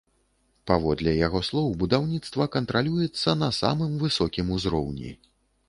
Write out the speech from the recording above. Паводле яго слоў, будаўніцтва кантралюецца на самым высокім узроўні.